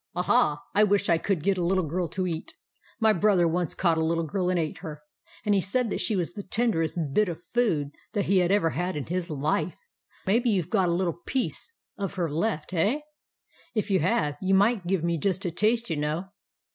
Aha, I wish I could get a little girl to eat! My brother once caught a little girl and ate her ; and he said that she was the tenderest bit of food that he ever had in his life ! Maybe you Ve got a little piece of her left, hey? If you have, you might give me just a taste, you know."